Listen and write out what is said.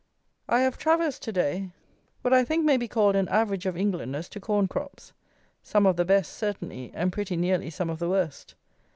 I have traversed to day what I think may be called an average of England as to corn crops. Some of the best, certainly; and pretty nearly some of the worst.